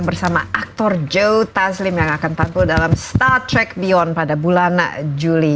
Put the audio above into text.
bersama aktor joe taslim yang akan tampil dalam star trek beyond pada bulan juli